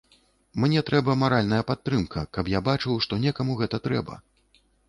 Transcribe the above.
Мне трэба маральная падтрымка, каб я бачыў, што некаму гэта трэба.